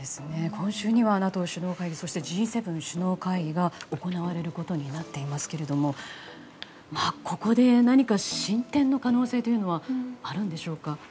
今週にはＮＡＴＯ首脳会議そしてＧ７首脳会議が行われることになっていますがここで何か進展の可能性というのはあるんでしょうか。